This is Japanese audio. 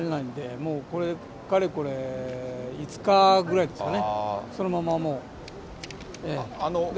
もうかれこれ、５日ぐらいですね、そのままもう。